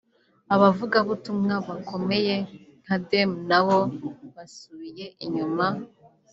Abavugabutumwa bakomeye nka Dema na bo basubiye inyuma